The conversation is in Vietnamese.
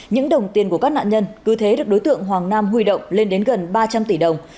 những đồng tiền của các nạn nhân cứ thế được đối tượng hoàng nam huy động lên đến gần ba trăm linh tỷ đồng